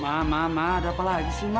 ma ma ma ada apa lagi sih ma